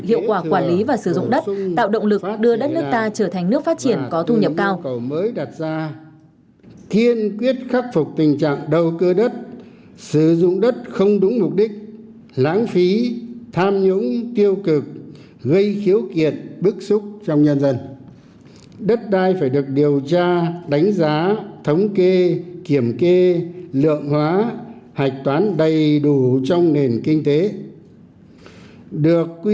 hiệu quả quản lý và sử dụng đất tạo động lực đưa đất nước ta trở thành nước phát triển có thu nhập cao